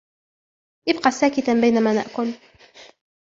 ابق ساكتا بينما نأكل.